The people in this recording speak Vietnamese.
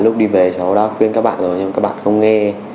lúc đi về cháu đã khuyên các bạn rồi nhưng các bạn không nghe